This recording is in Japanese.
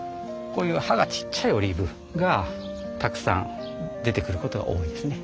こういう葉がちっちゃいオリーブがたくさん出てくる事が多いですね。